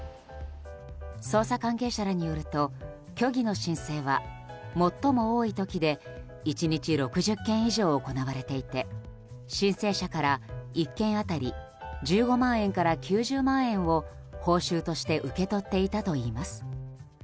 捜査関係者らによると虚偽の申請は最も多い時で１日６０件以上行われていて申請者から１件当たり１５万円から９０万円を報酬として受け取っていたといいます。